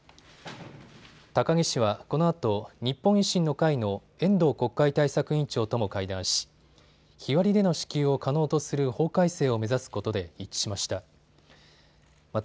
高木氏はこのあと日本維新の会の遠藤国会対策委員長とも会談し日割りでの支給を可能とする法改正を目指すことで一致しました。